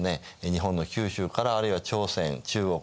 日本の九州からあるいは朝鮮中国